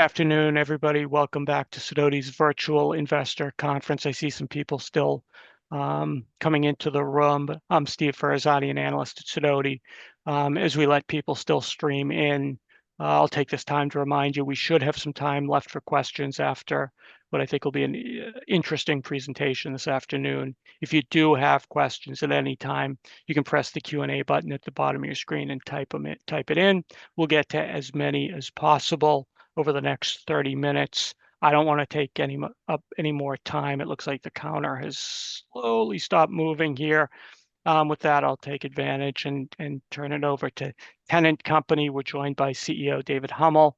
Good afternoon, everybody. Welcome back to Sidoti's virtual investor conference. I see some people still coming into the room. I'm Steve Ferazani, an analyst at Sidoti. As we let people still stream in, I'll take this time to remind you we should have some time left for questions after what I think will be an interesting presentation this afternoon. If you do have questions at any time, you can press the Q&A button at the bottom of your screen and type them in. Type it in. We'll get to as many as possible over the next 30 minutes. I don't want to take any more time. It looks like the counter has slowly stopped moving here. With that, I'll take advantage and turn it over to Tennant Company. We're joined by CEO David Huml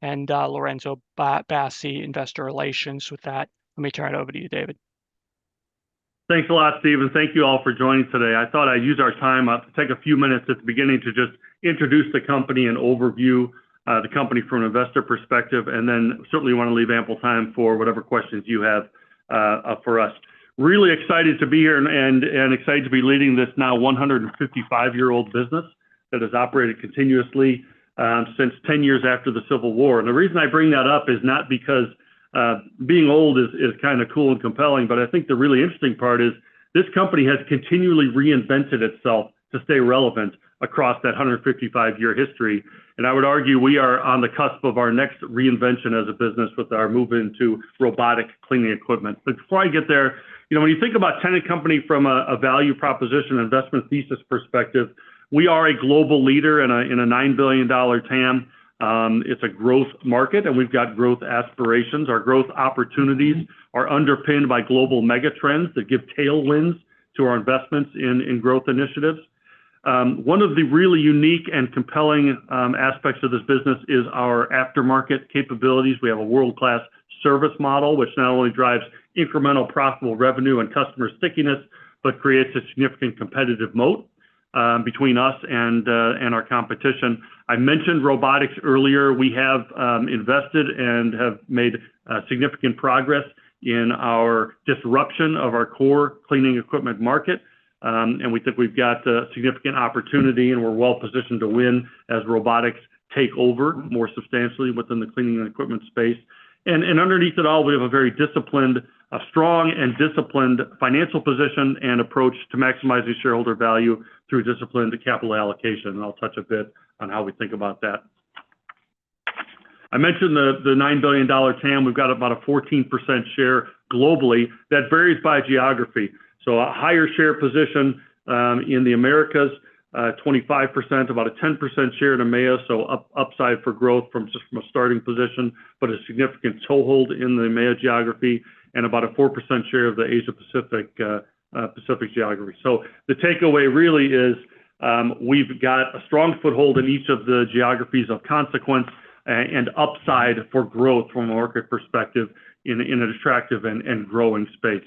and Lorenzo Bassi, Investor Relations. With that, let me turn it over to you, David. Thanks a lot, Steve. And thank you all for joining today. I thought I'd use our time up to take a few minutes at the beginning to just introduce the company and overview the company from an investor perspective, and then certainly want to leave ample time for whatever questions you have for us. Really excited to be here and excited to be leading this now 155-year-old business that has operated continuously since ten years after the Civil War. And the reason I bring that up is not because being old is kind of cool and compelling, but I think the really interesting part is this company has continually reinvented itself to stay relevant across that 155-year history. And I would argue we are on the cusp of our next reinvention as a business with our move into robotic cleaning equipment. But before I get there, you know, when you think about Tennant Company from a value proposition, investment thesis perspective, we are a global leader in a $9 billion TAM. It's a growth market, and we've got growth aspirations. Our growth opportunities are underpinned by global mega trends that give tailwinds to our investments in growth initiatives. One of the really unique and compelling aspects of this business is our aftermarket capabilities. We have a world-class service model, which not only drives incremental profitable revenue and customer stickiness, but creates a significant competitive moat between us and our competition. I mentioned robotics earlier. We have invested and have made significant progress in our disruption of our core cleaning equipment market. We think we've got a significant opportunity, and we're well positioned to win as robotics take over more substantially within the cleaning and equipment space. Underneath it all, we have a very disciplined, a strong and disciplined financial position and approach to maximizing shareholder value through disciplined capital allocation. I'll touch a bit on how we think about that. I mentioned the $9 billion TAM. We've got about a 14% share globally that varies by geography. A higher share position, in the Americas, 25%, about a 10% share in EMEA. Upside for growth from just a starting position, but a significant toehold in the EMEA geography and about a 4% share of the Asia-Pacific geography. The takeaway really is, we've got a strong foothold in each of the geographies of consequence and upside for growth from a market perspective in an attractive and growing space.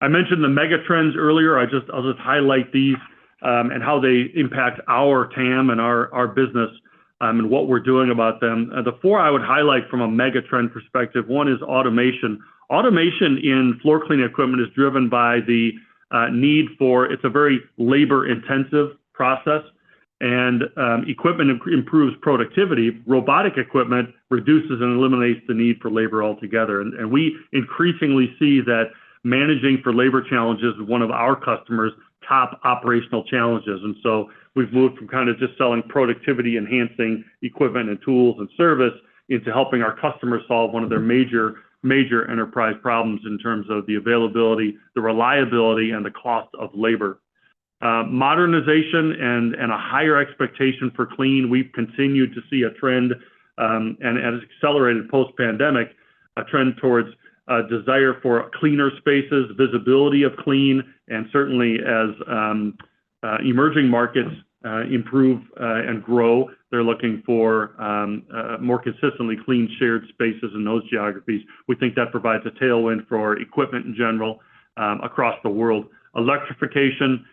I mentioned the mega trends earlier. I'll just highlight these, and how they impact our TAM and our business, and what we're doing about them. The four I would highlight from a mega trend perspective, one is automation. Automation in floor cleaning equipment is driven by the need for it. It's a very labor-intensive process, and equipment improves productivity. Robotic equipment reduces and eliminates the need for labor altogether. We increasingly see that managing for labor challenges is one of our customers' top operational challenges, so we've moved from kind of just selling productivity-enhancing equipment and tools and service into helping our customers solve one of their major, major enterprise problems in terms of the availability, the reliability, and the cost of labor. Modernization and a higher expectation for clean. We've continued to see a trend, and it's accelerated post-pandemic, a trend towards desire for cleaner spaces, visibility of clean. And certainly, as emerging markets improve and grow, they're looking for more consistently clean shared spaces in those geographies. We think that provides a tailwind for equipment in general, across the world. Electrification,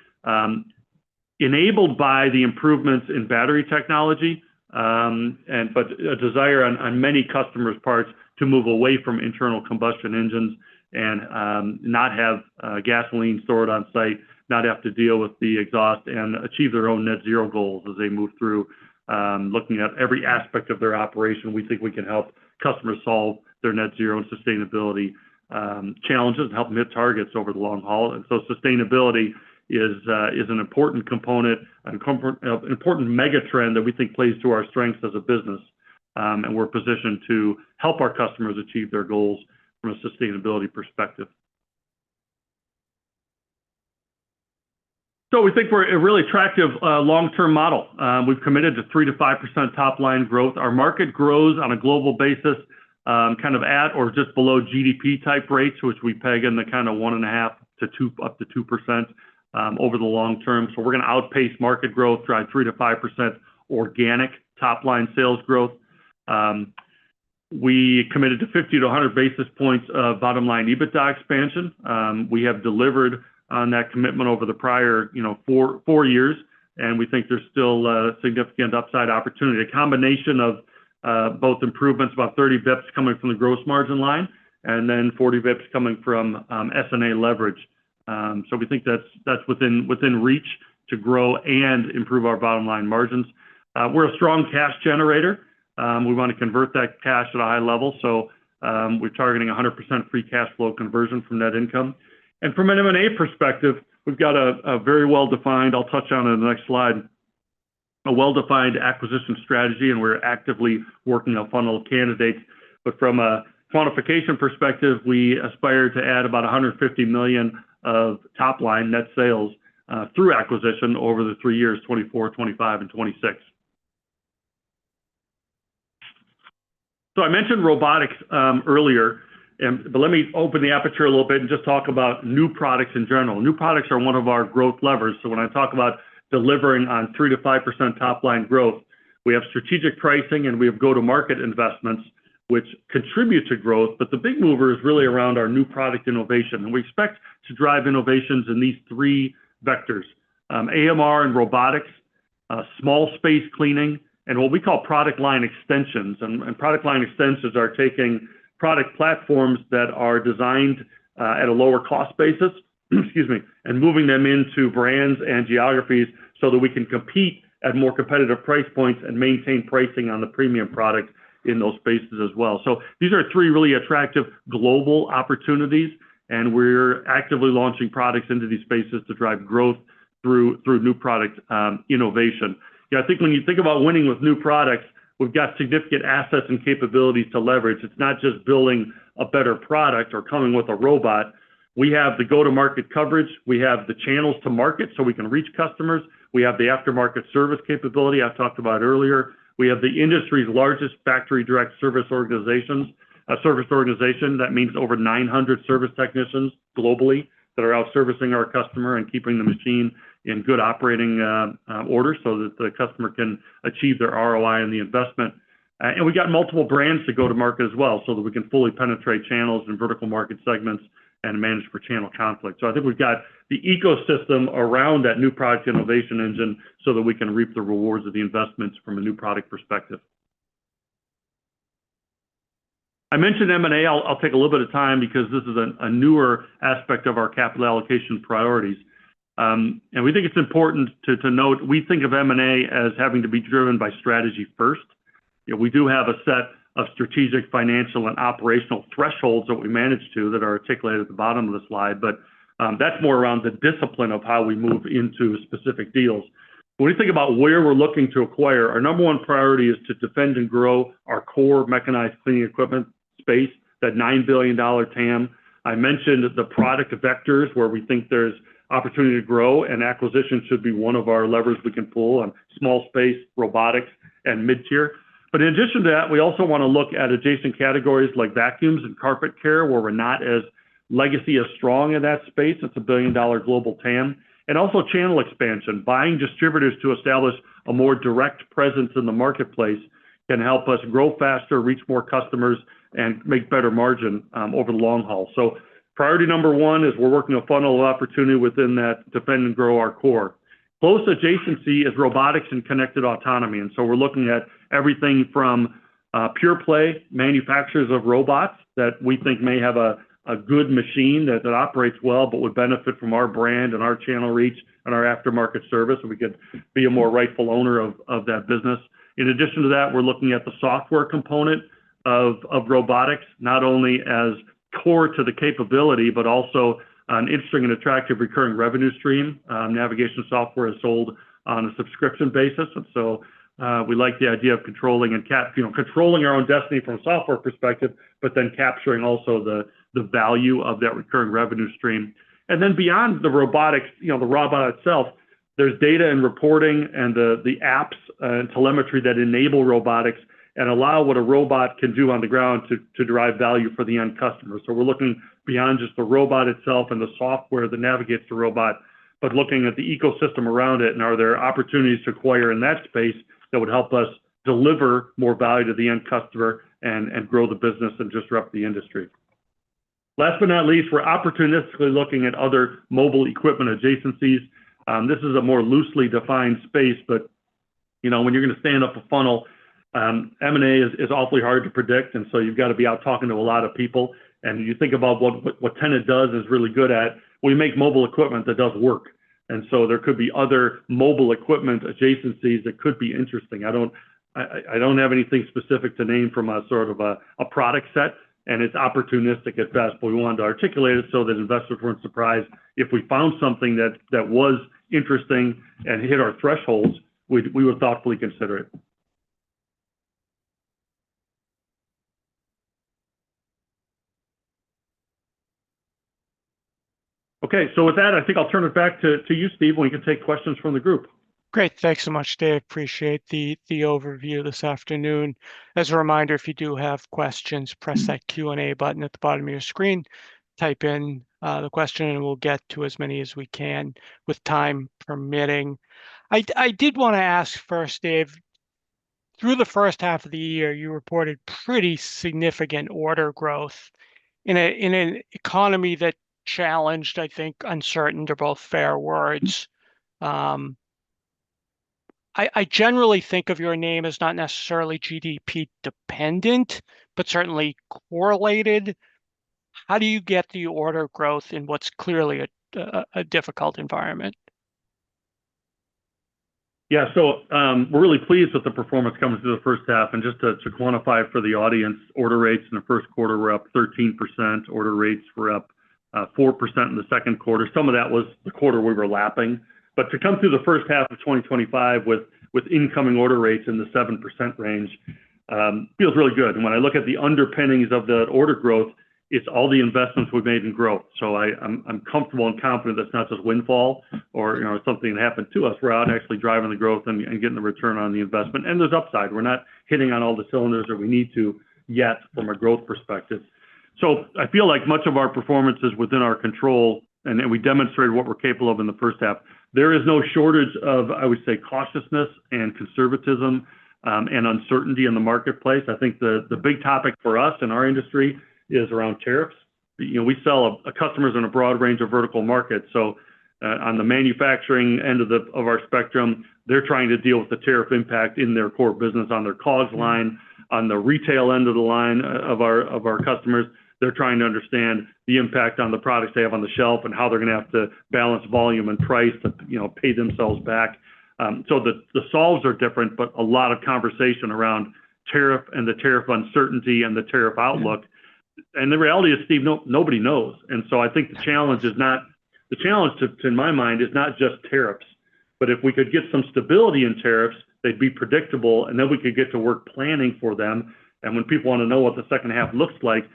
enabled by the improvements in battery technology, and but a desire on many customers' parts to move away from internal combustion engines and not have gasoline stored on site, not have to deal with the exhaust and achieve their own net zero goals as they move through looking at every aspect of their operation. We think we can help customers solve their net zero and sustainability challenges and help meet targets over the long haul. And so sustainability is an important component and an important mega trend that we think plays to our strengths as a business. And we're positioned to help our customers achieve their goals from a sustainability perspective. So we think we're a really attractive, long-term model. We've committed to 3%-5% top-line growth. Our market grows on a global basis, kind of at or just below GDP-type rates, which we peg in the kind of one and a half to two up to 2%, over the long term. So we're going to outpace market growth, drive 3%-5% organic top-line sales growth. We committed to 50-100 basis points of bottom-line EBITDA expansion. We have delivered on that commitment over the prior, you know, four years, and we think there's still a significant upside opportunity. A combination of both improvements, about 30 basis points coming from the gross margin line and then 40 basis points coming from S&A leverage. So we think that's within reach to grow and improve our bottom-line margins. We're a strong cash generator. We want to convert that cash at a high level. So, we're targeting 100% free cash flow conversion from net income. From an M&A perspective, we've got a very well-defined, I'll touch on it in the next slide, a well-defined acquisition strategy, and we're actively working on a funnel of candidates. From a quantification perspective, we aspire to add about $150 million of top-line net sales through acquisition over the three years, 2024, 2025, and 2026. So I mentioned robotics earlier, and but let me open the aperture a little bit and just talk about new products in general. New products are one of our growth levers. So when I talk about delivering on 3%-5% top-line growth, we have strategic pricing, and we have go-to-market investments, which contribute to growth. But the big mover is really around our new product innovation. And we expect to drive innovations in these three vectors: AMR and robotics, small space cleaning, and what we call product line extensions. And product line extensions are taking product platforms that are designed at a lower cost basis, excuse me, and moving them into brands and geographies so that we can compete at more competitive price points and maintain pricing on the premium product in those spaces as well. So these are three really attractive global opportunities, and we're actively launching products into these spaces to drive growth through new product innovation. You know, I think when you think about winning with new products, we've got significant assets and capabilities to leverage. It's not just building a better product or coming with a robot. We have the go-to-market coverage. We have the channels to market so we can reach customers. We have the aftermarket service capability I talked about earlier. We have the industry's largest factory-direct service organization, a service organization. That means over 900 service technicians globally that are out servicing our customer and keeping the machine in good operating order so that the customer can achieve their ROI on the investment, and we got multiple brands to go-to-market as well so that we can fully penetrate channels and vertical market segments and manage for channel conflict. So I think we've got the ecosystem around that new product innovation engine so that we can reap the rewards of the investments from a new product perspective. I mentioned M&A. I'll take a little bit of time because this is a newer aspect of our capital allocation priorities, and we think it's important to note we think of M&A as having to be driven by strategy first. You know, we do have a set of strategic financial and operational thresholds that we manage to that are articulated at the bottom of the slide, but that's more around the discipline of how we move into specific deals. When we think about where we're looking to acquire, our number one priority is to defend and grow our core mechanized cleaning equipment space, that $9 billion TAM. I mentioned the product vectors where we think there's opportunity to grow, and acquisition should be one of our levers we can pull on small space, robotics, and mid-tier. But in addition to that, we also want to look at adjacent categories like vacuums and carpet care, where we're not as legacy-strong in that space. It's a $1 billion global TAM. And also channel expansion. Buying distributors to establish a more direct presence in the marketplace can help us grow faster, reach more customers, and make better margin over the long haul. So priority number one is we're working to funnel opportunity within that, defend and grow our core. Close adjacency is robotics and connected autonomy. And so we're looking at everything from pure-play manufacturers of robots that we think may have a good machine that operates well but would benefit from our brand and our channel reach and our aftermarket service. We could be a more rightful owner of that business. In addition to that, we're looking at the software component of robotics, not only as core to the capability but also an interesting and attractive recurring revenue stream. Navigation software is sold on a subscription basis. And so, we like the idea of controlling, you know, controlling our own destiny from a software perspective, but then capturing also the value of that recurring revenue stream. And then beyond the robotics, you know, the robot itself, there's data and reporting and the apps and telemetry that enable robotics and allow what a robot can do on the ground to derive value for the end customer. So we're looking beyond just the robot itself and the software that navigates the robot, but looking at the ecosystem around it and are there opportunities to acquire in that space that would help us deliver more value to the end customer and grow the business and disrupt the industry. Last but not least, we're opportunistically looking at other mobile equipment adjacencies. This is a more loosely defined space, but, you know, when you're going to stand up a funnel, M&A is awfully hard to predict. And so you've got to be out talking to a lot of people. And you think about what Tennant does is really good at. We make mobile equipment that does work. And so there could be other mobile equipment adjacencies that could be interesting. I don't have anything specific to name from a sort of a product set, and it's opportunistic at best, but we wanted to articulate it so that investors weren't surprised. If we found something that was interesting and hit our thresholds, we would thoughtfully consider it. Okay. So with that, I think I'll turn it back to you, Steve, when you can take questions from the group. Great. Thanks so much, Dave. Appreciate the overview this afternoon. As a reminder, if you do have questions, press that Q&A button at the bottom of your screen. Type in the question, and we'll get to as many as we can with time permitting. I did want to ask first, Dave, through the first half of the year, you reported pretty significant order growth in an economy that's challenging, I think, uncertain, to be fair. I generally think of your end markets as not necessarily GDP dependent, but certainly correlated. How do you get the order growth in what's clearly a difficult environment? Yeah. We're really pleased with the performance coming through the first half. Just to quantify for the audience, order rates in the first quarter were up 13%. Order rates were up 4% in the second quarter. Some of that was the quarter we were lapping. To come through the first half of 2025 with incoming order rates in the 7% range feels really good. And when I look at the underpinnings of the order growth, it's all the investments we've made in growth. So I'm comfortable and confident that's not just windfall or, you know, something that happened to us. We're out actually driving the growth and getting the return on the investment. And there's upside. We're not hitting on all the cylinders that we need to yet from a growth perspective. So I feel like much of our performance is within our control, and we demonstrated what we're capable of in the first half. There is no shortage of, I would say, cautiousness and conservatism, and uncertainty in the marketplace. I think the big topic for us in our industry is around tariffs. You know, we sell to customers in a broad range of vertical markets. So, on the manufacturing end of our spectrum, they're trying to deal with the tariff impact in their core business on their COGS line. On the retail end of the line of our customers, they're trying to understand the impact on the products they have on the shelf and how they're going to have to balance volume and price to, you know, pay themselves back. So the solves are different, but a lot of conversation around tariff and the tariff uncertainty and the tariff outlook. And the reality is, Steve, nobody knows. And so I think the challenge is not, to in my mind, just tariffs, but if we could get some stability in tariffs, they'd be predictable, and then we could get to work planning for them. When people want to know what the second half looks like,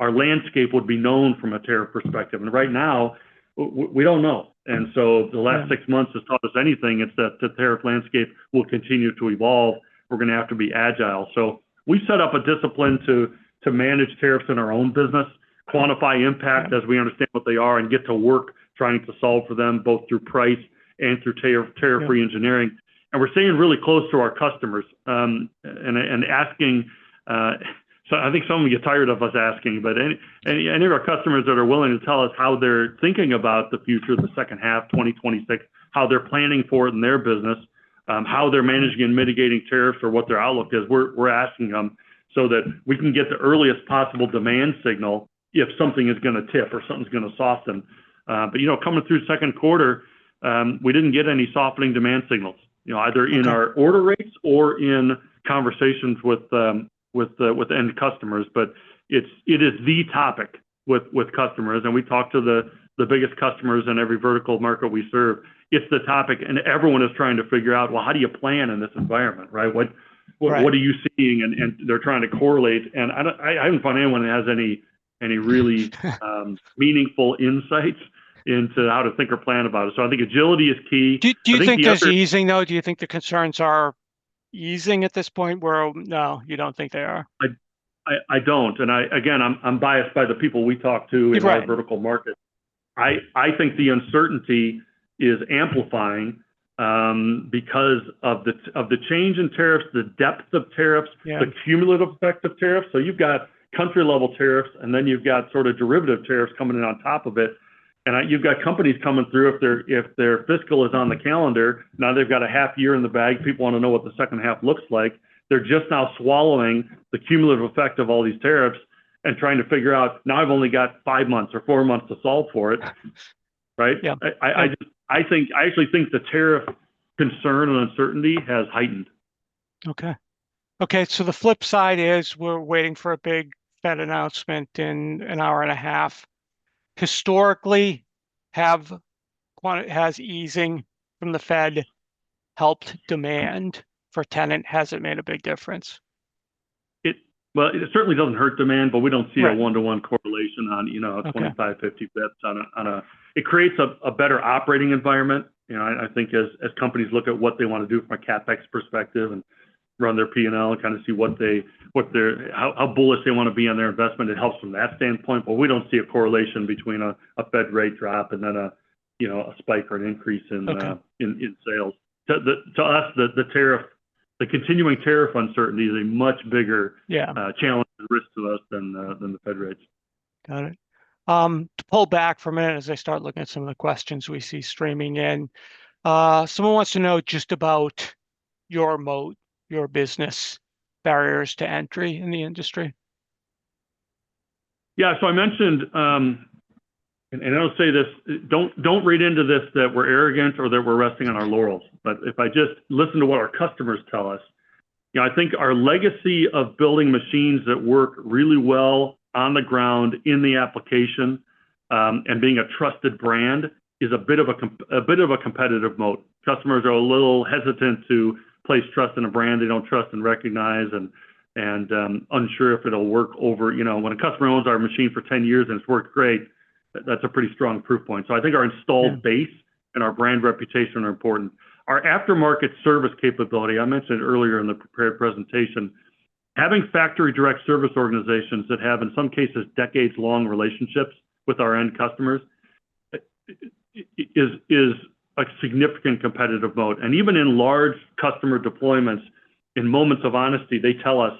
our landscape would be known from a tariff perspective. Right now, we don't know. The last six months has taught us anything. It's that the tariff landscape will continue to evolve. We're going to have to be agile. We set up a discipline to manage tariffs in our own business, quantify impact as we understand what they are, and get to work trying to solve for them both through price and through tariff-free engineering. And we're staying really close to our customers, and asking, so I think some of you get tired of us asking, but any of our customers that are willing to tell us how they're thinking about the future, the second half, 2026, how they're planning for it in their business, how they're managing and mitigating tariffs or what their outlook is, we're asking them so that we can get the earliest possible demand signal if something is going to tip or something's going to soften. But you know, coming through second quarter, we didn't get any softening demand signals, you know, either in our order rates or in conversations with end customers. But it is the topic with customers. And we talk to the biggest customers in every vertical market we serve. It's the topic. And everyone is trying to figure out, well, how do you plan in this environment, right? What are you seeing? And they're trying to correlate. And I don't. I didn't find anyone that has any really meaningful insights into how to think or plan about it. So I think agility is key. Do you think they're easing though? Do you think the concerns are easing at this point where no, you don't think they are? I don't. And I again, I'm biased by the people we talk to in our vertical market. I think the uncertainty is amplifying, because of the change in tariffs, the depth of tariffs, the cumulative effect of tariffs. So you've got country-level tariffs, and then you've got sort of derivative tariffs coming in on top of it. I've got companies coming through if their fiscal is on the calendar. Now they've got a half year in the bag. People want to know what the second half looks like. They're just now swallowing the cumulative effect of all these tariffs and trying to figure out now I've only got five months or four months to solve for it, right? Yeah. I actually think the tariff concern and uncertainty has heightened. Okay. Okay. The flip side is we're waiting for a big Fed announcement in an hour and a half. Historically, has easing from the Fed helped demand for Tennant? Has it made a big difference? Well, it certainly doesn't hurt demand, but we don't see a one-to-one correlation on, you know, a 25-50 basis points on it creates a better operating environment. You know, I think as companies look at what they want to do from a CapEx perspective and run their P&L and kind of see how bullish they want to be on their investment, it helps from that standpoint, but we don't see a correlation between a Fed rate drop and then a, you know, a spike or an increase in sales. To us, the continuing tariff uncertainty is a much bigger challenge and risk to us than the Fed rates. Got it. To pull back for a minute as I start looking at some of the questions we see streaming in, someone wants to know just about your moat, your business barriers to entry in the industry. Yeah. So, I mentioned, and I'll say this: don't read into this that we're arrogant or that we're resting on our laurels. But if I just listen to what our customers tell us, you know, I think our legacy of building machines that work really well on the ground in the application, and being a trusted brand, is a bit of a competitive moat. Customers are a little hesitant to place trust in a brand they don't trust and recognize and, unsure if it'll work over, you know, when a customer owns our machine for 10 years and it's worked great, that's a pretty strong proof point, so I think our installed base and our brand reputation are important. Our aftermarket service capability, I mentioned earlier in the prepared presentation, having factory-direct service organizations that have in some cases decades-long relationships with our end customers is a significant competitive moat. And even in large customer deployments, in moments of honesty, they tell us,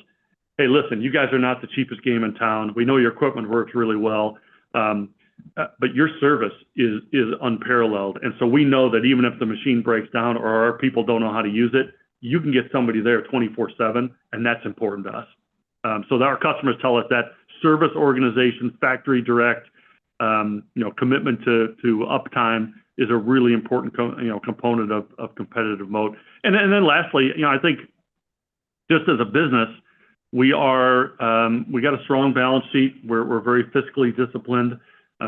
"Hey, listen, you guys are not the cheapest game in town. We know your equipment works really well, but your service is unparalleled." And so we know that even if the machine breaks down or our people don't know how to use it, you can get somebody there 24/7, and that's important to us. So our customers tell us that service organization, factory-direct, you know, commitment to uptime is a really important, you know, component of competitive moat. And then lastly, you know, I think just as a business, we are, we got a strong balance sheet. We're very fiscally disciplined,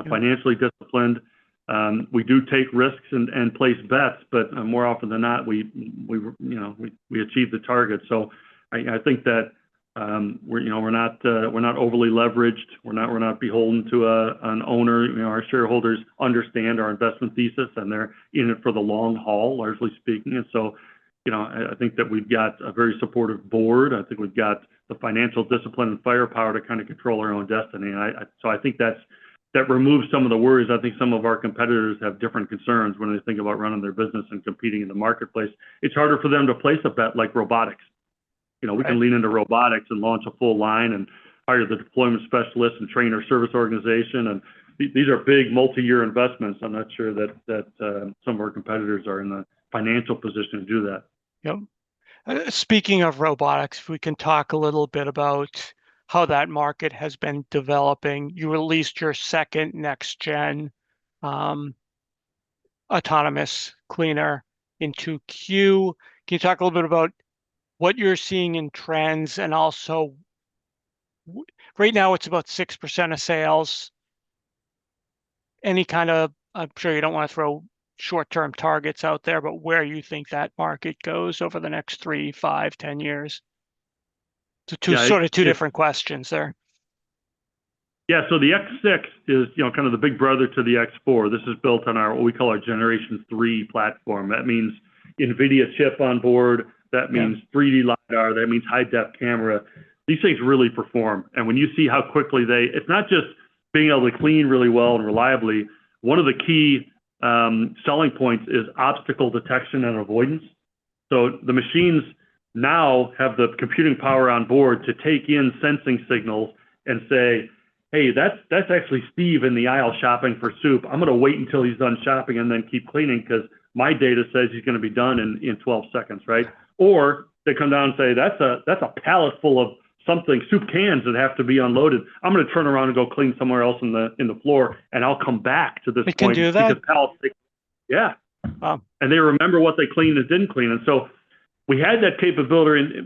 financially disciplined. We do take risks and place bets, but more often than not, we were, you know, we achieve the target. So I think that we're, you know, we're not overly leveraged. We're not beholden to an owner. You know, our shareholders understand our investment thesis, and they're in it for the long haul, largely speaking. And so, you know, I think that we've got a very supportive board. I think we've got the financial discipline and firepower to kind of control our own destiny. So I think that removes some of the worries. I think some of our competitors have different concerns when they think about running their business and competing in the marketplace. It's harder for them to place a bet like robotics. You know, we can lean into robotics and launch a full line and hire the deployment specialists and train our service organization. And these are big multi-year investments. I'm not sure that some of our competitors are in the financial position to do that. Yep. Speaking of robotics, if we can talk a little bit about how that market has been developing. You released your second next-gen, autonomous cleaner in 2Q. Can you talk a little bit about what you're seeing in trends? And also, right now, it's about 6% of sales. Any kind of. I'm sure you don't want to throw short-term targets out there, but where you think that market goes over the next three, 5, 10 years? So two sort of different questions there. Yeah. So the X6 is, you know, kind of the big brother to the X4.This is built on our what we call our generation 3 platform. That means NVIDIA chip on board. That means 3D LiDAR. That means high-depth camera. These things really perform. And when you see how quickly they it's not just being able to clean really well and reliably. One of the key selling points is obstacle detection and avoidance. So the machines now have the computing power on board to take in sensing signals and say, "Hey, that's actually Steve in the aisle shopping for soup. I'm going to wait until he's done shopping and then keep cleaning because my data says he's going to be done in 12 seconds," right? Or they come down and say, "That's a pallet full of something soup cans that have to be unloaded. I'm going to turn around and go clean somewhere else in the floor, and I'll come back to this point." They can do that. Yeah. Wow. They remember what they cleaned and didn't clean. So we had that capability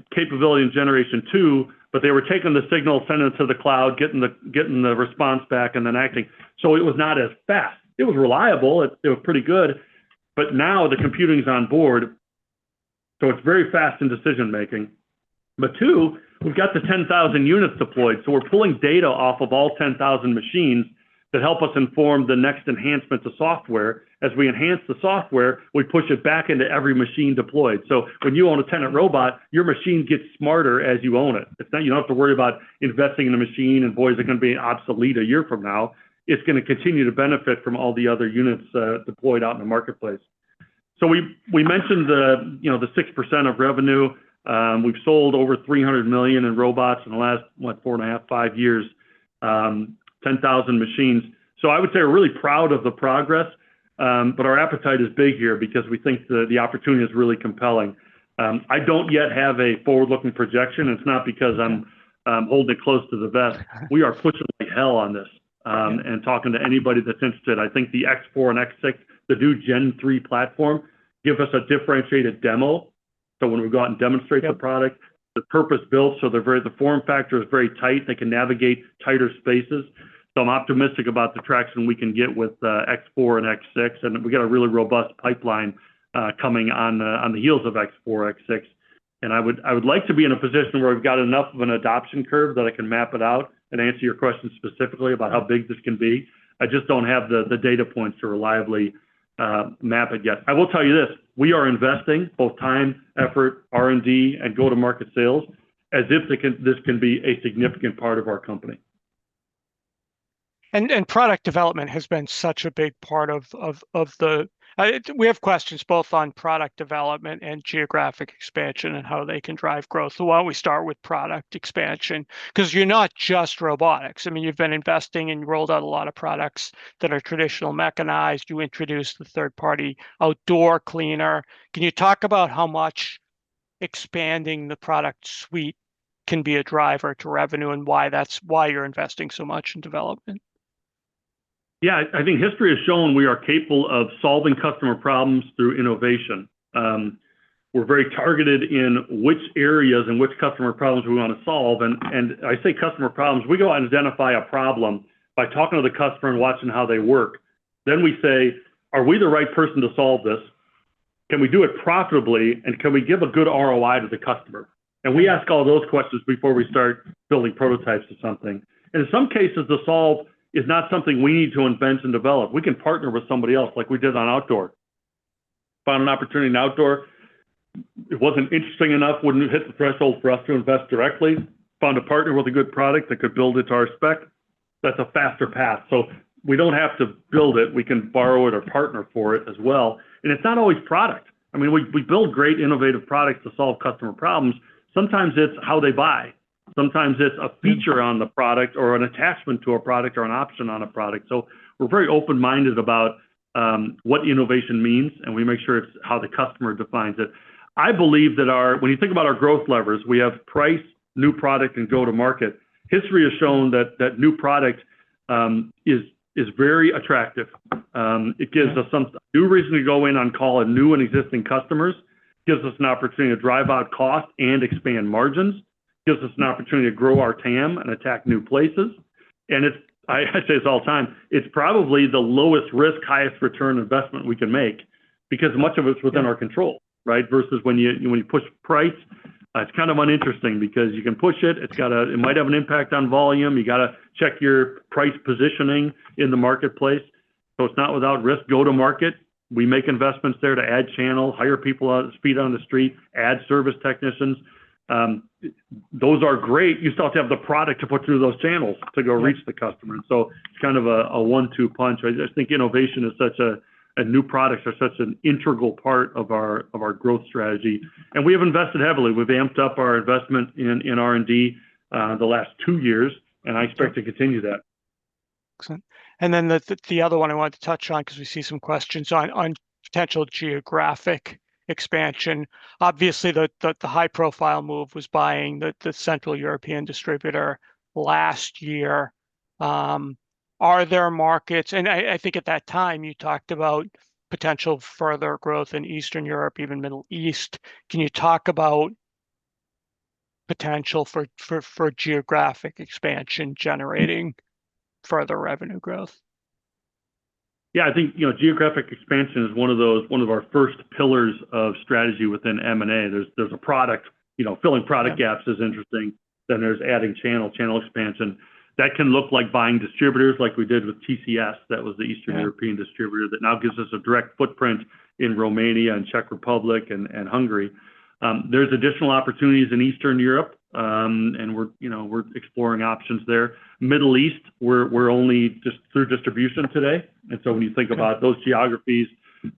in generation 2, but they were taking the signal, sending it to the cloud, getting the response back, and then acting. It was not as fast. It was reliable. It was pretty good. But now the computing's on board. It's very fast in decision-making. We've got the 10,000 units deployed. We're pulling data off of all 10,000 machines that help us inform the next enhancement to software. As we enhance the software, we push it back into every machine deployed. When you own a Tennant robot, your machine gets smarter as you own it. It's not. You don't have to worry about investing in a machine and, boy, is it going to be obsolete a year from now. It's going to continue to benefit from all the other units, deployed out in the marketplace. So we mentioned the, you know, the 6% of revenue. We've sold over $300 million in robots in the last, what, four and a half, five years, 10,000 machines. So I would say we're really proud of the progress, but our appetite is big here because we think the opportunity is really compelling. I don't yet have a forward-looking projection. It's not because I'm holding it close to the vest. We are pushing like hell on this, and talking to anybody that's interested. I think the X4 and X6, the new Gen 3 platform, give us a differentiated demo. So when we go out and demonstrate the product, the purpose-built. So they're very the form factor is very tight. They can navigate tighter spaces. So I'm optimistic about the traction we can get with X4 and X6. And we got a really robust pipeline coming on the heels of X4, X6. And I would like to be in a position where we've got enough of an adoption curve that I can map it out and answer your question specifically about how big this can be. I just don't have the data points to reliably map it yet. I will tell you this. We are investing both time, effort, R&D, and go-to-market sales as if this can be a significant part of our company. Product development has been such a big part of the. We have questions both on product development and geographic expansion and how they can drive growth. So why don't we start with product expansion? Because you're not just robotics. I mean, you've been investing and you rolled out a lot of products that are traditional mechanized. You introduced the third-party outdoor cleaner. Can you talk about how much expanding the product suite can be a driver to revenue and why, that's why you're investing so much in development? Yeah. I think history has shown we are capable of solving customer problems through innovation. We're very targeted in which areas and which customer problems we want to solve. And I say customer problems. We go out and identify a problem by talking to the customer and watching how they work. Then we say, "Are we the right person to solve this? Can we do it profitably? And can we give a good ROI to the customer?" And we ask all those questions before we start building prototypes of something. And in some cases, the solve is not something we need to invent and develop. We can partner with somebody else like we did on Outdoor. Found an opportunity in Outdoor. It wasn't interesting enough. Wouldn't hit the threshold for us to invest directly. Found a partner with a good product that could build it to our spec. That's a faster path. So we don't have to build it. We can borrow it or partner for it as well. And it's not always product. I mean, we build great innovative products to solve customer problems. Sometimes it's how they buy. Sometimes it's a feature on the product or an attachment to a product or an option on a product. So we're very open-minded about what innovation means, and we make sure it's how the customer defines it. I believe that, when you think about our growth levers, we have price, new product, and go-to-market. History has shown that new product is very attractive. It gives us some new reason to go in on call and new and existing customers. It gives us an opportunity to drive out cost and expand margins. It gives us an opportunity to grow our TAM and attack new places, and it's, I say this all the time. It's probably the lowest risk, highest return investment we can make because much of it's within our control, right? Versus when you push price, it's kind of uninteresting because you can push it. It's got it might have an impact on volume. You got to check your price positioning in the marketplace. So it's not without risk. Go-to-market. We make investments there to add channel, hire people out of the speed on the street, add service technicians. Those are great. You still have to have the product to put through those channels to go reach the customer, and so it's kind of a one-two punch. I just think innovation is such a new products are such an integral part of our growth strategy, and we have invested heavily. We've amped up our investment in R&D the last two years, and I expect to continue that. Excellent. Then the other one I wanted to touch on because we see some questions on potential geographic expansion. Obviously, the high-profile move was buying the Central European distributor last year. Are there markets? I think at that time, you talked about potential further growth in Eastern Europe, even Middle East. Can you talk about potential for geographic expansion generating further revenue growth? Yeah. I think, you know, geographic expansion is one of our first pillars of strategy within M&A. There's a product, you know, filling product gaps is interesting. Then there's adding channel, channel expansion. That can look like buying distributors like we did with TCS. That was the Eastern European distributor that now gives us a direct footprint in Romania and Czech Republic and Hungary. There's additional opportunities in Eastern Europe. And we're, you know, we're exploring options there. Middle East, we're only just through distribution today. And so when you think about those geographies,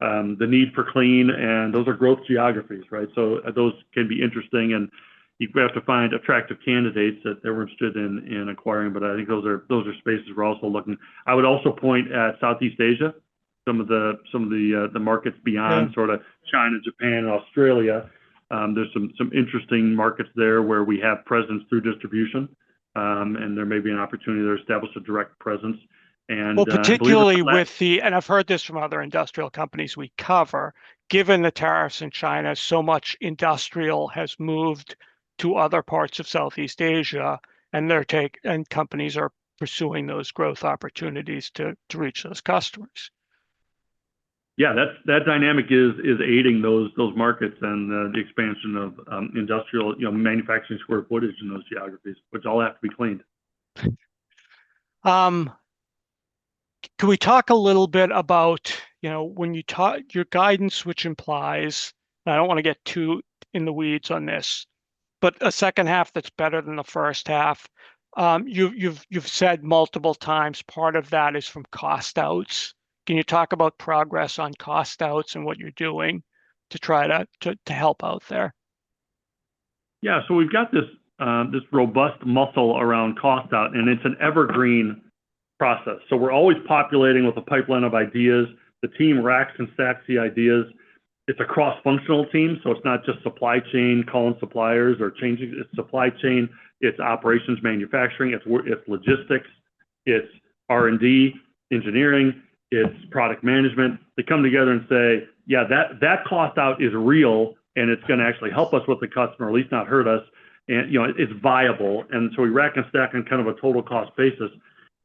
the need for clean, and those are growth geographies, right? So those can be interesting. And you have to find attractive candidates that they're interested in acquiring. But I think those are spaces we're also looking. I would also point at Southeast Asia, some of the markets beyond sort of China, Japan, Australia. There's some interesting markets there where we have presence through distribution. And there may be an opportunity to establish a direct presence. Particularly with the, and I've heard this from other industrial companies we cover. Given the tariffs in China, so much industry has moved to other parts of Southeast Asia, and their tech and companies are pursuing those growth opportunities to reach those customers. Yeah. That dynamic is aiding those markets and the expansion of industrial, you know, manufacturing square footage in those geographies, which all have to be cleaned. Can we talk a little bit about, you know, when you talk your guidance, which implies and I don't want to get too in the weeds on this, but a second half that's better than the first half. You've said multiple times part of that is from cost outs. Can you talk about progress on cost outs and what you're doing to try to help out there? Yeah. So we've got this robust muscle around cost out, and it's an evergreen process. So we're always populating with a pipeline of ideas. The team racks and stacks the ideas. It's a cross-functional team. So it's not just supply chain, calling suppliers or changing. It's supply chain. It's operations, manufacturing. It's logistics. It's R&D, engineering. It's product management. They come together and say, "Yeah, that cost out is real, and it's going to actually help us with the customer, at least not hurt us." And, you know, it's viable. And so we rack and stack on kind of a total cost basis.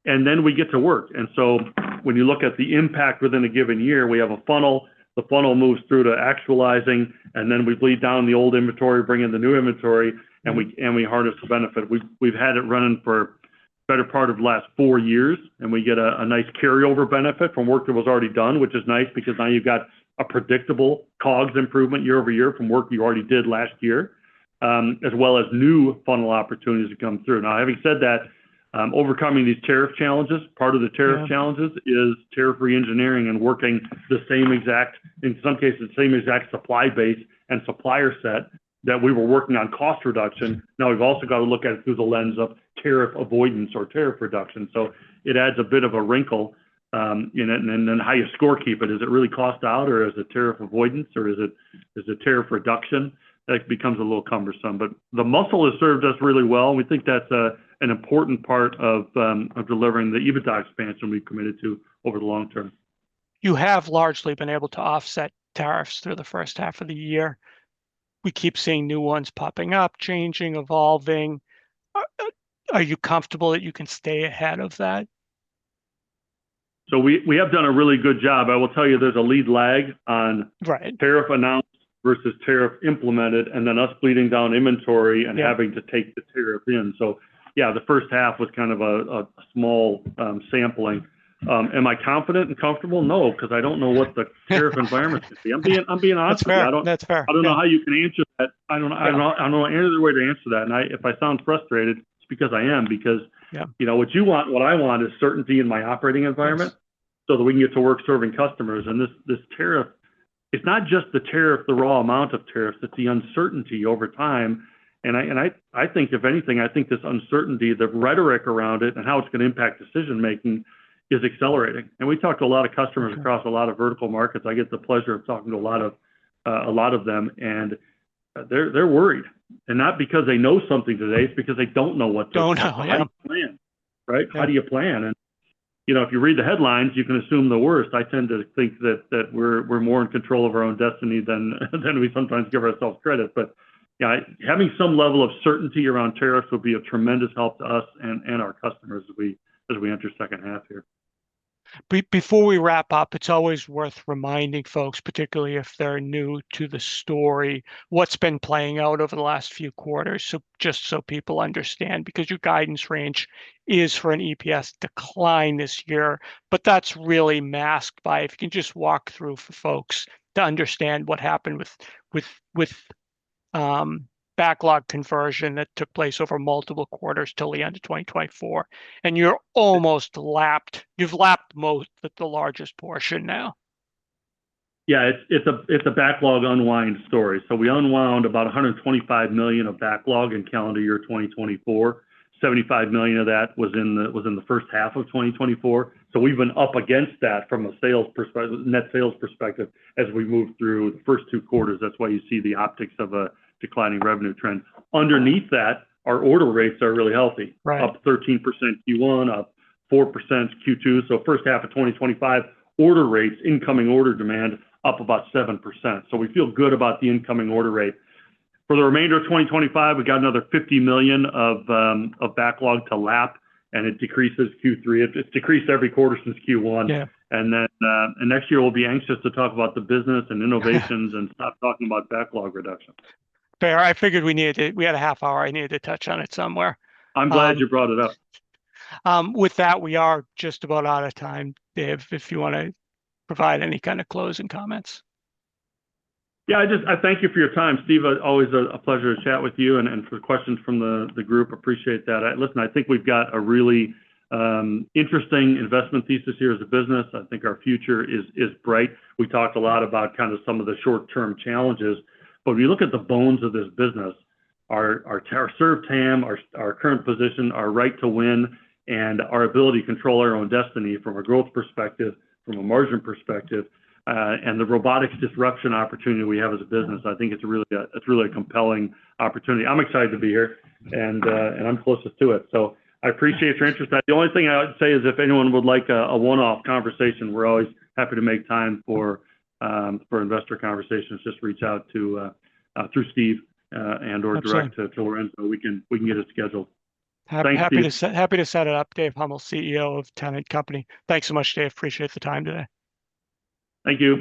And then we get to work. And so when you look at the impact within a given year, we have a funnel. The funnel moves through to actualizing. And then we bleed down the old inventory, bring in the new inventory, and we harness the benefit. We've had it running for the better part of the last four years, and we get a nice carryover benefit from work that was already done, which is nice because now you've got a predictable COGS improvement year over year from work you already did last year, as well as new funnel opportunities to come through. Now, having said that, overcoming these tariff challenges, part of the tariff challenges is tariff-free engineering and working the same exact, in some cases, supply base and supplier set that we were working on cost reduction. Now, we've also got to look at it through the lens of tariff avoidance or tariff reduction. So it adds a bit of a wrinkle in it. And then how you scorekeep it. Is it really cost out, or is it tariff avoidance, or is it tariff reduction? That becomes a little cumbersome. But the muscle has served us really well. We think that's an important part of delivering the EBITDA expansion we've committed to over the long term. You have largely been able to offset tariffs through the first half of the year. We keep seeing new ones popping up, changing, evolving. Are you comfortable that you can stay ahead of that? So we have done a really good job. I will tell you, there's a lead lag on tariff announced versus tariff implemented and then us bleeding down inventory and having to take the tariff in. So, yeah, the first half was kind of a small sampling. Am I confident and comfortable? No, because I don't know what the tariff environment should be. I'm being honest with you. That's fair. I don't know how you can answer that. I don't know. I don't know. I don't know any other way to answer that. And if I sound frustrated, it's because I am because, you know, what you want what I want is certainty in my operating environment so that we can get to work serving customers. And this tariff, it's not just the tariff, the raw amount of tariffs. It's the uncertainty over time. And I think, if anything, I think this uncertainty, the rhetoric around it and how it's going to impact decision-making is accelerating. And we talk to a lot of customers across a lot of vertical markets. I get the pleasure of talking to a lot of them. And they're worried. And not because they know something today. It's because they don't know what to do. Don't know. Yeah. How to plan, right? How do you plan? And, you know, if you read the headlines, you can assume the worst. I tend to think that we're more in control of our own destiny than we sometimes give ourselves credit. But, yeah, having some level of certainty around tariffs would be a tremendous help to us and our customers as we enter second half here. Before we wrap up, it's always worth reminding folks, particularly if they're new to the story, what's been playing out over the last few quarters. So just so people understand, because your guidance range is for an EPS decline this year, but that's really masked by if you can just walk through for folks to understand what happened with backlog conversion that took place over multiple quarters till the end of 2024. And you're almost lapped. You've lapped most the largest portion now. Yeah. It's a backlog unwind story. So we unwound about $125 million of backlog in calendar year 2024. $75 million of that was in the first half of 2024. So we've been up against that from a sales perspective, net sales perspective, as we move through the first two quarters. That's why you see the optics of a declining revenue trend. Underneath that, our order rates are really healthy. Right. Up 13% Q1, up 4% Q2. So first half of 2025, order rates, incoming order demand up about 7%. So we feel good about the incoming order rate. For the remainder of 2025, we got another $50 million of backlog to lap, and it decreases Q3. It's decreased every quarter since Q1. Yeah. And then next year, we'll be anxious to talk about the business and innovations and stop talking about backlog reduction. Fair. I figured we needed. We had a half hour. I needed to touch on it somewhere. I'm glad you brought it up. With that, we are just about out of time, Dave, if you want to provide any kind of closing comments. Yeah. I just thank you for your time, Steve. Always a pleasure to chat with you and for the questions from the group. Appreciate that. Listen, I think we've got a really interesting investment thesis here as a business. I think our future is bright. We talked a lot about kind of some of the short-term challenges. But when you look at the bones of this business, our service TAM, our current position, our right to win, and our ability to control our own destiny from a growth perspective, from a margin perspective, and the robotics disruption opportunity we have as a business, I think it's really a compelling opportunity. I'm excited to be here, and I'm closest to it. So I appreciate your interest. The only thing I would say is if anyone would like a one-off conversation, we're always happy to make time for investor conversations. Just reach out to through Steve, and/or direct to Lorenzo. We can get it scheduled. Happy to set it up. Dave Huml, CEO of Tennant Company. Thanks so much, Dave. Appreciate the time today. Thank you.